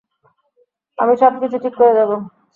আমি সবকিছু ঠিক করে দেব।